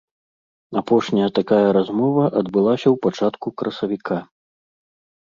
Апошні такая размова адбылася ў пачатку красавіка.